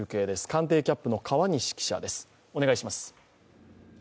官邸キャップの川西記者です。